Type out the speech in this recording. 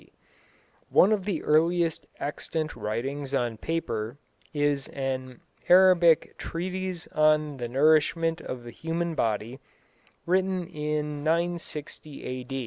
D. One of the earliest extant writings on paper is an Arabic "Treatise on the Nourishment of the Human Body," written in 960 A.